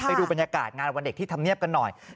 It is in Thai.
ไปดูบรรยากาศงานวันเด็กที่ทำเนียบกันหน่อย